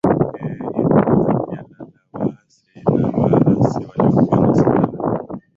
ee hili ni jipya la la waasi na waasi waliokuwa na silaha